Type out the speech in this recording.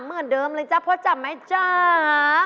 เหมือนเดิมเลยจ้ะโพสต์จำไหมจ้า